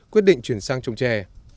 quyết định chuyển sang trồng chè